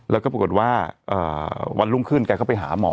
แล้วก็ปรากฏว่าวันรุ่งขึ้นแกก็ไปหาหมอ